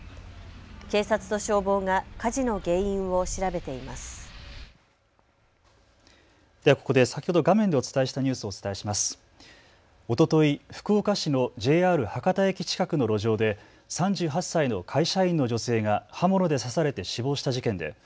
警察と消防が火事の原因を調べています。